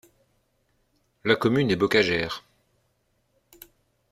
La commune est bocagère.